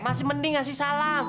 masih mending kasih salam